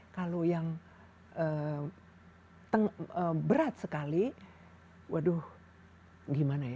kalau yang berat sekali waduh gimana ya